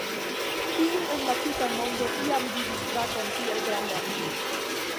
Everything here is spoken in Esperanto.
Kiu en la tuta mondo iam vidis brakon tiel grandan?